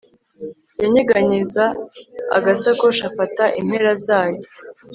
Yanyeganyeza agasakoshi afata impera zayo